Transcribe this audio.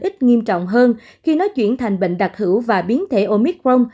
ít nghiêm trọng hơn khi nó chuyển thành bệnh đặc hữu và biến thể omicron